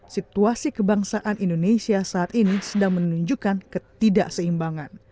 situasi kebangsaan indonesia saat ini sedang menunjukkan ketidakseimbangan